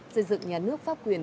xây dựng nhà nước pháp quyền